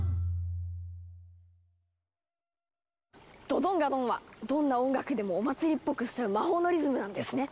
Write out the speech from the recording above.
「ドドンガドン」はどんな音楽でもお祭りっぽくしちゃう魔法のリズムなんですね。